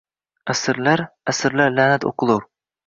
Asrlar, asrlar – la’nat o’qilur